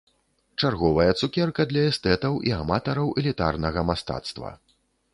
Чарговая цукерка для эстэтаў і аматараў элітарнага мастацтва.